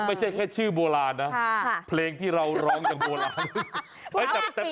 ไม่ใช่แค่ชื่อโบราณนะเพลงที่เราร้องอย่างโบราณ